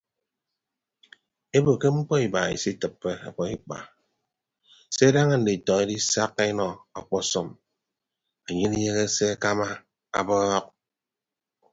Ebo ke mkpọ iba isitịppe ọnọ ọbọikpa se daña nditọ edisakka enọ akpasọm anye inieehe se akama abọọk.